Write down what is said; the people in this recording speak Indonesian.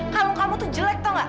kalau kamu tuh jelek tau gak